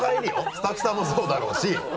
スタッフさんもそうだろうし。